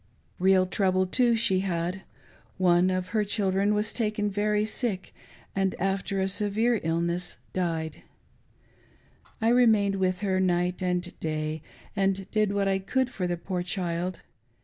Real trouble, too,^ she had. — One of her children was taken very sick, and after a severe illness died. I remained with her night and day, and did what I could for the poor child.